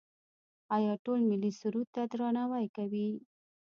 آیا ټول ملي سرود ته درناوی کوي؟